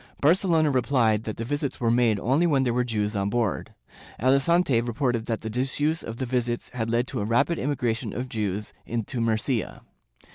Barcelona repUed that the visits were made only when there were Jews on board. Alicante reported that the disuse of the visits had led to a rapid immigration of Jews into Murcia.